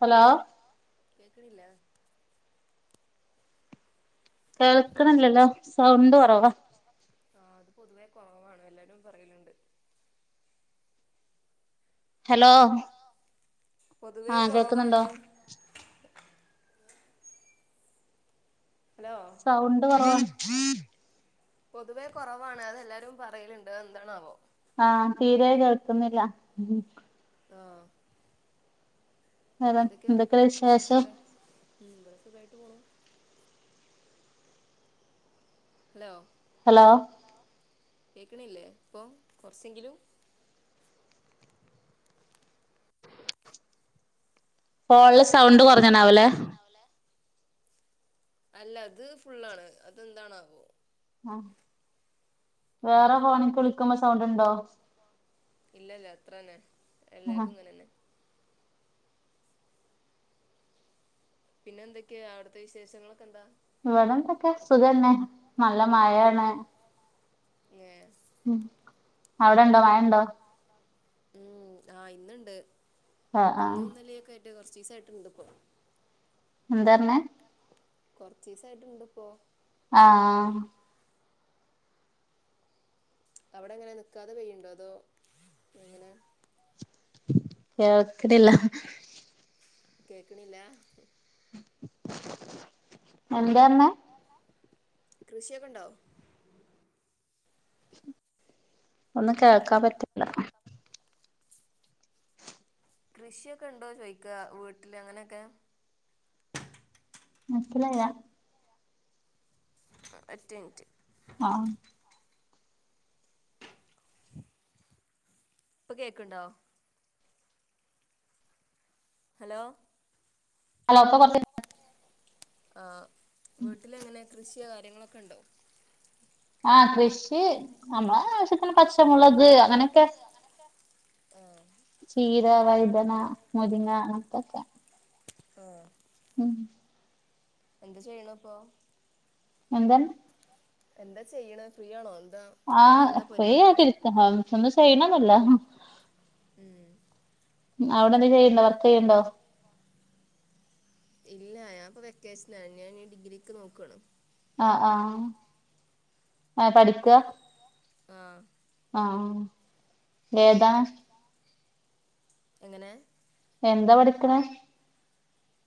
Hello കേക്കണില്ല കേൾക്കണില്ലല്ലോ sound കുറവാ ആഹ അത് പൊതുവേ കുറവാണ് എല്ലാരും പറയലിണ്ട് ഹലോ പൊതുവേ ആഹ് കേൾക്കുന്നുണ്ടോ കുറവാണ് ഹലോ സൗണ്ട് പറ പൊതുവേ കുറവാണ് അതെല്ലാരും പറയലുണ്ട് എന്താണാവോ ആഹ് തീരായി കേൾക്കുന്നില്ല ആഹ് അ എന്തൊക്കെയാ എന്തൊക്കെ വിശേഷം? വിശേഷൊക്കെ ഉം ഇവിടെ സുഖായിട്ട് പോണു. ഹലോ ഹലോ കേക്കണില്ലേ ഇപ്പോ കുറച്ചെങ്കിലും ഫോൺല് സൗണ്ട് കുറഞ്ഞണാവേല്ലേ അല്ല അത് ഫുള്ളാണ് അതെന്താണവോ ആ വേറെ ഫോണിക്ക് വിളിക്കുമ്പോ സൗണ്ട്ണ്ടോ ഇല്ല ഇല്ല അത്രന്നെ ആഹ് എല്ലാര്തും ഇങ്ങനെന്നെ പിന്നെ എന്തൊക്കെയാ അവിടത്തെ വിശേഷങ്ങളൊക്കെ എന്താ? ഇവിടെ എന്തൊക്കെ സുഖന്നെ നല്ല മഴയാണ്. ഏ ഉം അവിടെണ്ടോ മഴണ്ടോ? ഉം ആഹ് ഇന്ന്ണ്ട് ആഹ് ആഹ് ഇന്നും ന്നലൊക്കെ കുറച്ചിസായിട്ടിണ്ട് ഇപ്പൊ. എന്താറഞ്ഞെ കൊറച്ചീസായിട്ടിണ്ട്പ്പോ ആ അവിടെ എങ്ങനെ നിക്കാതെ പെയ്യുണ്ടോ അതോ എങ്ങനെ? കേൾക്കുന്നില്ല. കേക്കണില്ല? എന്തന്ന് കൃഷിയൊക്കെ ഉണ്ടോ? ഒന്നും കേൾക്കാ പറ്റണില്ല കൃഷിയൊക്കെ ഉണ്ടോ ചോയ്ക്ക വീട്ടില് അങ്ങനെയൊക്കെ മനസ്സിലായില്ലാ ഒറ്റമിനിറ്റ് ആ ഇപ്പൊ കേക്ക്ണ്ടോ? ഹലോ അല്ല ഒപ്പ [inaudible] ആ വീട്ടിലെങ്ങനെ കൃഷിയോ കാര്യങ്ങളൊക്കെണ്ടോ ആ കൃഷി നമ്മളാവശ്യത്തിന് പച്ചമുളക് അങ്ങനെയൊക്കെ ആ ചീര, വഴുതന, മുരിങ്ങ അങ്ങൻത്തോക്കെ ആ ഉം എന്ത് ചെയ്യുന്നത് ഇപ്പോൾ എന്തണ് എന്താ ചെയ്യുന്നത് ഫ്രീ ആണോ എ ആ ഫ്രീയായിട്ടിരിക്ക ഒന്നും ചെയ്യുന്നില്ല ഉം അവിടെ എന്തെ ചെയ്യുന്നേ വർക്ക് ചെയ്യുന്നുണ്ടോ ഇല്ല ഇപ്പോ വെക്കേഷൻ അല്ലേ ഞാൻ ഇനി ഡിഗ്രിക്ക് നോക്കണം ആ ആ ആ പഠിക്ക അപ്പൊ ആഹ് ആ ഏതാണ് എങ്ങനെ എന്താ പഠിക്കുന്നത്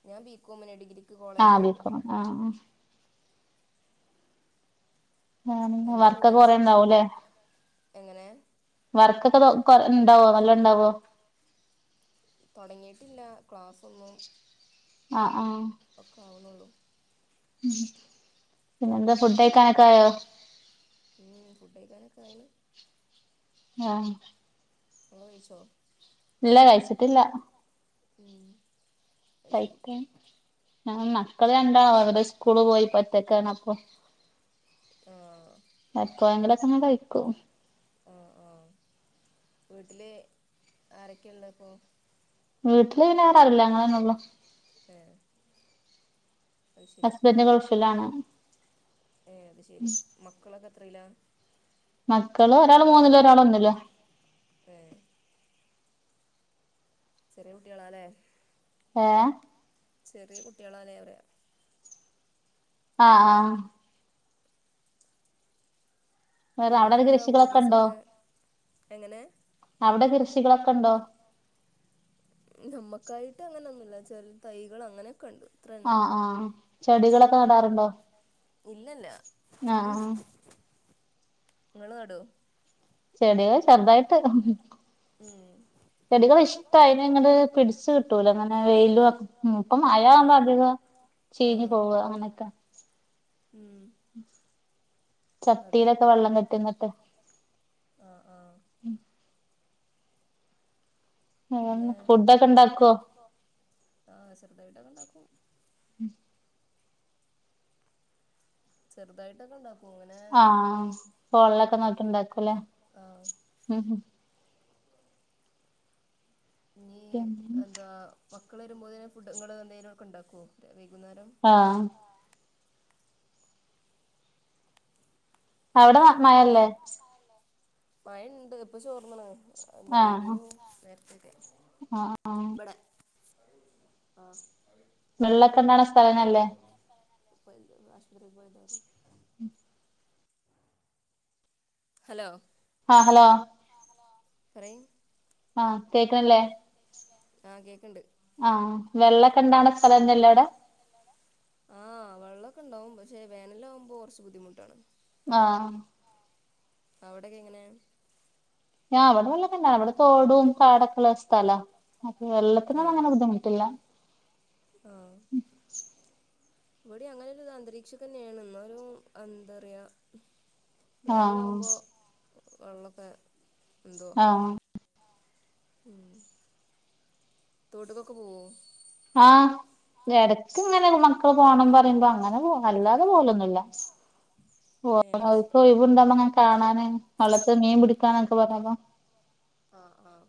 ഞാൻ ബികോമിന് ഡിഗ്രി ആ ബികോമ് ആ ആ ആ എന്താ വർക്കൊക്കെ കുറെ ഹോബീസൊക്കെ ഉണ്ടാവും എങ്ങനെ വർക്ക് ഒക്കെ കുറെ ഉണ്ടാകുമോ തുടങ്ങിട്ടില്ല ക്ലാസൊന്നും ആ ഒക്കെ ആവണള്ളൂ ഉ പിന്നന്ത ഉം ഫുഡ്‌ കഴിക്കാൻ ആയി ആഹ നിങ്ങൾ കഴിച്ചോ ഇല്ല കഴിച്ചിട്ടില്ല ഉം അത് ശരി കഴിക്കണം മക്കള് രണ്ടാളുംഅവർ സ്കൂളിൽ പോയി ഇപ്പോ ഒറ്റക്കാണ് അപ്പോ ഉ എപ്പോയെങ്കിലും മൊക്കെ കഴിക്കും ആഹ ആഹ വീട്ടിൽ ആരൊക്കെയ ഉള്ള ഇപ്പൊ വീട്ടില് വേറെ ആരുമില്ല ഞങ്ങൾ തന്നെ ഉള്ളൂ ആഏ അത് ശരി ഹസ്ബന്റ് ഗൾഫിലാണ് ഏ അത് ശരി മക്കളൊക്കെ അത്രല്ല മക്കള് ഒരാള് മൂന്നിൽ ഒരാളൾ ഒന്നിൽ ഏഹ് ചെറിയ കുട്ടികളല്ലേ ആഹ ചെറിയ കുട്ടികളൾ ആണ് അല്ലേ അവർ ആഹ് ആഹ വേറ പിന്നെ അവിടത്തെ എന്താ കൃഷികളൊക്കെ ഉണ്ടോ ഹോബീസൊക്കെ അവിടെ കൃഷികളൊക്കെ ഉണ്ടോ നമ്മുക്കായിട്ട് അങ്ങനൊന്നുംഇല്ല ചെറിയ തൈകൾ അങ്ങനെ ആഹ ആഹ് ചെടികളൊക്കെ നടാറുണ്ടോ ഇല്ല ആഹ് ആഹ് നിങ്ങൾ നടാറുണ്ടോ ചെടിയ ചെറുതായിട്ടൊക്കെ ഉം ചെടികൾ ഇഷ്ട്ടാ അയ്നെങ്ങട്ട് പിടിച്ച് കിട്ടൂല ഇങ്ങനെ വെയിലും ഇപ്പം മയആകുമ്പോ ആഹ് അധികം ചീഞ് ആഹ് പോവ അങ്ങനെയൊക്കെ ഉം [unintelligible] ചട്ടിയിലൊക്കെ വെള്ളം കെട്ടി നിന്നിട്ട് [inaudible] ഉം പിന്നെ ഫുഡൊക്കെ ഇണ്ടാക്കുവോ ആഹ് ചെറുതായിട്ടൊക്കെ ഉണ്ടാക്കും ഉം ചെറുതായിട്ടൊക്കെ [unintelligible] ആഹ പൊള്ളൊക്കെ നോക്കി ഇണ്ടാക്കും ലെ ആഹ് [unintelligible] മക്കൾ വരുമ്പോതിന് ഫുഡ്‌ ങ്ങൾ എന്തിഏലും ഒക്കെ ഉണ്ടാക്കുവോ വൈകുന്നേരം ആഹ് അവടെ മയല്ലെ മയണ്ട് ഇപ്പൊ ചോർന്ന്ണ് ആഹ് പേദീനു നേരത്തൊക്കെ ആഹ് ആഹ് ഇബടെ ആഹ് വെള്ളൊക്കെ അക്കീമാക്ക ഉണ്ടാവണ സ്ഥലന്നല്ലേ ആശ്പത്രീക്ക് പോയതാർന്ന് ഉം ഹലോ ആഹ ഹലോ ലോ പറയിം ആ കേകാന്ല്ലേ ആ കേക്ക് ആ വെള്ളോക്കെണ്ടാവ്‌ണെ സ്ഥലംന്നല്ലേ അവിടെ വെള്ളക്കണ്ടാവും പഷേ വേനലാവുമ്പം കൊറച്ച് ബുദ്ദിമുട്ടാണ് അഹ് അവടെക്കെ എങ്ങനെ ആ ഇവിടെ വെള്ളൊക്കെ ഇണ്ടാവും ഇവിടെ തോടും പാടൊക്കെള്ളെ ഒരു സ്ഥല അപ്പൊ വെള്ളത്തിന് ഒന്നും അങ്ങനെ ബുദ്ധിമുട്ടില്ല ഓ ഇവിടിം അങ്ങനെയുള്ള അന്തരീഷക്കെന്നെ ആണ് ഇന്നാലും അന്തറിയ ആഹ് വേന്ലാവുമ്പോ വെള്ളക്കെ അഹ് തോട്ട്ക്ക് ഒക്കെ പോവോ ആ എടക്ക്ങ്ങനെ മക്കള് പോണം പറിമ്പം അങ്ങനെ പോവും അല്ലാതെ പോവലോന്നുല്ല ഓ ഏഹ് അത് ഓല്ക് ശരി ഒയ്‌വ്‌ണ്ടാവുബങ്ങനെ കാണാന് വള്ളത്ത് മീൻ പിടിക്കാന് [unintelligible] അഹ് അഹ്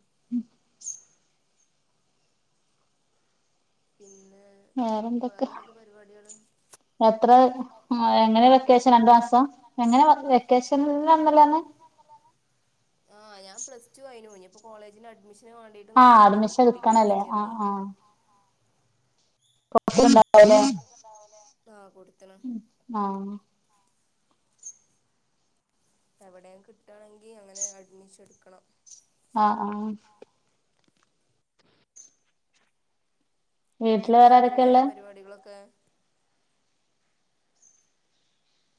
പിന്നെ വേറെന്തൊക്കെ പരിപാടികൾ എത്രെ എങ്ങനെ വെക്കേഷൻ രണ്ട് മാസം എങ്ങനെ വെക്കേഷൻ [unintelligible] ആ ഞാൻ പ്ലസ്റ്റു കഴിഞ്ഞു ഇഞ്ഞു പ്പം കോളേജിൽ അഡ്മിഷൻ ന് വേണ്ടീട്ട് ആഹ് നിക്കാണ് അഡ്മിഷൻ ഡിഗ്രി എടുക്കണല്ലേ ഫസ്റ്റ് ആഹ് ഇയറിനെയ് ആഹ് [inaudible] ആ [unintelligible] ഉം ആഹ് എവിടേം കിട്ടാണെങ്കി അങ്ങനെ അഡ്മിഷൻ എടുക്കണം അ ആ വീട്ടില് എന്തൊക്കെ വേറെ ആരൊക്കെ പിന്നെ ഉള്ളെ പരിപാടികളൊക്കെ?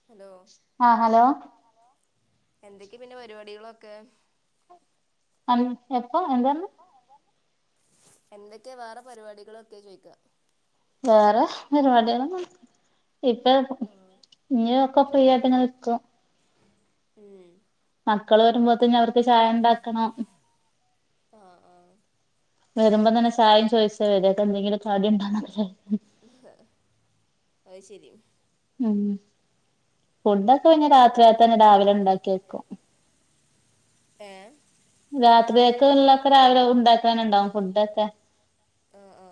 ഹലോ ആ ഹലോ എന്തൊക്കെ പിന്നെ പരിപാടികളൊക്ക? അം എപ്പം ന്താന്ന്‌ എന്തൊക്കെ വേറെ പരിവാടികളൊക്ക ചോയ്ക്ക വേറെ പരിപാടികളൊന്നില്ല. ഇപ്പേം ആഹ് ഞ്ക്കൊ ഫ്രീ ആയിട്ടൊക്കെ നിക്കും. മം. മക്കള് വരുമ്പോത്തിന് അവര്ക് ചായ ഉണ്ടാകണം. അ ആ. വരുമ്പത്തന്നെ ചായിം ചോയ്ച്ച വരല്. എന്തെങ്കിലു കടിണ്ടാ ങ്‌ഹേ അത് ശരി. ഫുടൊക്കെ [unintelligible] രാവിലെ ഉണ്ടാക്കി വെക്കും. ഏ. രാത്രിക്കെ ഉള്ളതൊക്കെ രാവിലെ ഉണ്ടാകാനുണ്ടാകും. ഫുടൊക്കെ ആ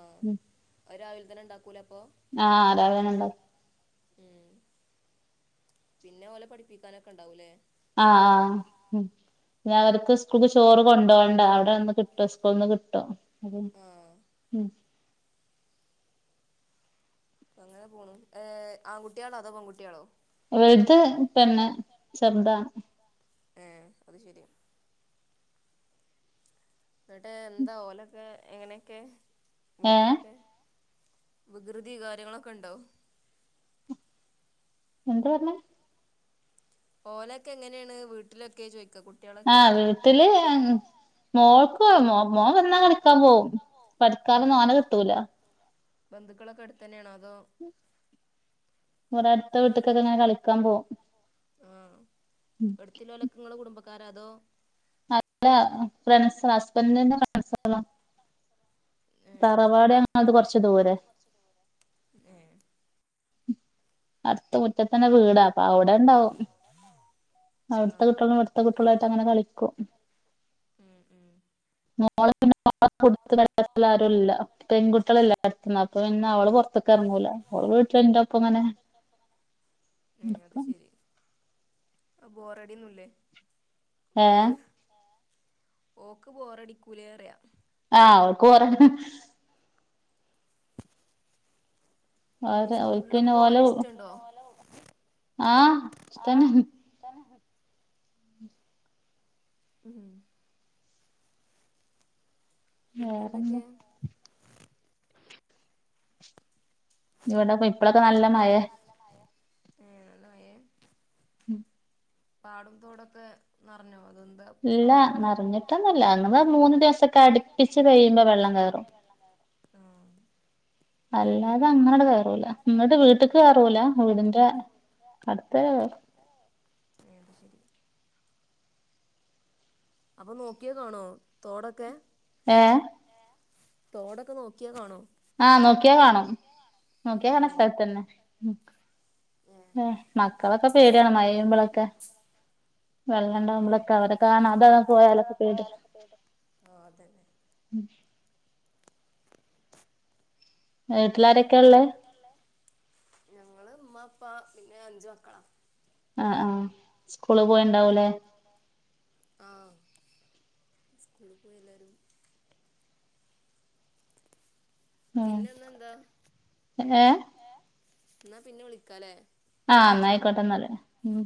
അത് രാവിലെ തന്നെ ഇണ്ടാക്കൂലേ അപ്പൊ ആ രാവിലെന്നെ ഉണ്ടാകും. ഉം പിന്നെ ഓലെ പഠിപ്പിക്കാനൊക്കെ ണ്ടാകുലേ. അ ആ. രാവിലത്തെ സ്കൂൾക് ചോറ് കൊണ്ടോവാണ്ട. അവടന്ന് കിട്ടും സ്കൂള്ന്ന് കിട്ടും. ആഹ് ഉം. [inaudible] അങ്ങനെ പോണ്. ഏ ആൺകുട്ടിയാണോ അതോ പെൺകുട്ടിയാണോ? വൽത് പെണ്ണ്, ചെറുത് ആണ്. ഏ അത് ശരി. എന്നിട്ട് എന്താ ഓലൊക്കെ എങ്ങനെയൊക്കെ ഏഹ് വീട്ടിലൊക്കെ? വികൃതി കാര്യങ്ങളൊക്കെ ഉണ്ടോ? എന്ത് പറഞ്ഞേ. ഓലൊക്കെ എങ്ങനെയാണ് വീട്ടിലൊക്കെ ചോദിക്ക. ആഹ കുട്ടികളൊക്കെ വീട്ടില് ആൻ മോൾക്ക് മോൻ വന്നാ കളിക്കാൻ പോകും. പഠിക്കാൻ ഒന്നും ആഹ് അവനെ കിട്ടൂല. ബന്ധുക്കളൊക്കെ അടുത്തന്നെയാണോ അതോ. ഓൻ അടുത്ത വീട്ട്ക്കൊക്കെ ഇങ്ങനെ കളിക്കാൻ പോകും. [unintelligible] ക്കാര അതോ അല്ല ഫ്രണ്ട്സ് ഹസ്ബൻഡിന്റെ ഫ്രണ്ട്സകളാ. ഏഹ് അത് ശരി തറവാട് ഞങ്ങൾത് കൊറച്ച് ദൂരെ. ഏഹ് അടുത്ത മുറ്റത്തന്നെ വീടാ അപ്പൊ അവിടെ ഉണ്ടാവും. അവിടുത്തെ ആഹ് കുട്ടികളും ഇവിടുത്തെ കുട്ടികളുംമായിട്ട് അങ്ങനെ കളിക്കും. ഉം ഉം മോള പിന്നെ ഒ [unintelligible] ആരുംല്ല. പെൺകുട്ടികളല്ലേ അടുത്ത് അപ്പൊ പിന്നെ അവളും പുറത്ത്ക്ക് ഇറങ്ങൂല. അവള് വീട്ട് പ്പ എന്താകും അങ്ങനെ. ബോറഡി ഒന്നും ഏഹ് ഇല്ലേമോൾക്ക്. ഓക്ക് ബോറടിക്കുല്ലെ പറയ. ആഹ ഓൾക്ക് ബോറ് ഹ. പിന്നീ ഓര് ഓൽക്ക് സ്കൂളിലൊക്കെ പിന്നെ പോകാൻ ഓലെ ഇഷ്ട്ടുണ്ടോ? ആഹ് ഇഷ്ട്ടണ്. ഉം. വേറെന്താ പിന്നെന്തൊക്കെ? ഇവിടെ ഇപ്പോളെക്കെ നല്ല മഴേ. ഏ നല്ല മഴേ ഉം പാടും തോടൊക്കെ നിറഞ്ഞോ? അതെന്താ ഇല്ല പാടം അവിടെ നിറഞ്ഞിട്ട്ന്നില്ല അന്ന് മൂന്നു ദിവസൊക്കെ അടുപ്പിച്ച് പെയുമ്പോ വെള്ളം കേയറും. ആ അല്ലാതെ അങ്ങനട് കയറൂല ഇങ്ങട്ട് വീട്ട്ക്ക് കയറൂല വീടിന്റെ. അടുത്ത ഹെ അ അത് ശരി. അപ്പൊ നോക്കിയ കാണോ തോടൊക്കെ. ഏ തോടൊക്കെ നോക്കിയാ കാണോ? ആഹ നോക്കിയാ കാണും നോക്കിയാ കാണ ഉം സ്ഥലത്തന്നെ. ഏ ഉം മക്കളൊക്കെ പേടിയാണ് മഴ പേയുമ്പോളൊക്കെ. ആഹ് വെള്ളണ്ടക്കുമ്പള് ആഹ് ഒക്കെ അവരെ കാണതെ പോയാലൊക്കെ പേടിയാ അതെ വീട്ടിലാരൊക്കെയ ഉള്ളേ? ഞങ്ങള് ഉമ്മഇപ്പാ പിന്നെ അഞ്ചു മക്കളാ. ആഹ ആഹ സ്കൂള് പോയിണ്ടാവൂലേ? ആഹ സ്കൂള് പോയി എല്ലാരും. ഉം പിന്നെ ഇന്ന്എന്താ ഏഹ് ഏ എന്നാ പിന്നെ വിളിക്കാലേ? ആ നായിക്കോട്ടെന്നല്ലേ ഉം.